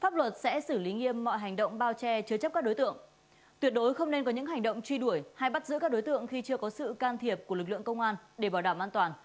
tuyệt đối không nên có những hành động truy đuổi hay bắt giữ các đối tượng khi chưa có sự can thiệp của lực lượng công an để bảo đảm an toàn